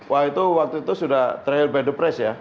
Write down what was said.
wah itu waktu itu sudah terakhir by the press ya